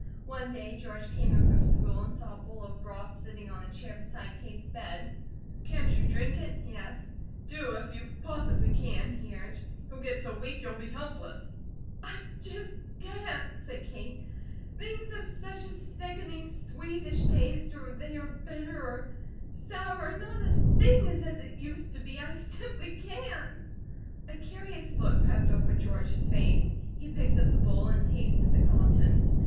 One day George came in from school and saw a bowl of broth sitting on a chair beside Kate's bed. "Can't you drink it?" he asked. "Do, if you possibly can," he urged. "You'll get so weak you'll be helpless." "I just can't," said Kate. "Things have such a sickening, sweetish taste, or they are bitter, or sour; not a thing is as it used to be. I simply can't!" A curious look crept over George's face. He picked up the bowl and tasted the contents.